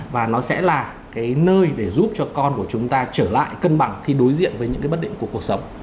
và nó sẽ là cái nơi để giúp cho con của chúng ta trở lại cân bằng khi đối diện với những cái bất định của cuộc sống